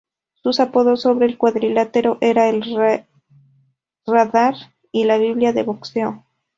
Sus apodos sobre el cuadrilátero eran "El Radar" y "La Biblia del Boxeo".